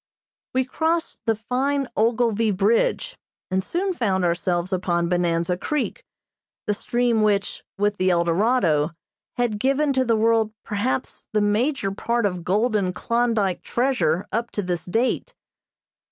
We crossed the fine Ogilvie Bridge, and soon found ourselves upon Bonanza Creek, the stream which, with the Eldorado, had given to the world perhaps the major part of golden Klondyke treasure up to this date.